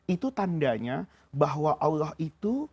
itu tandanya bahwa allah itu